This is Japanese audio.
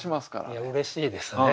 いやうれしいですね。